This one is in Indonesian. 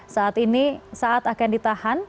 saat ini saat akan ditahan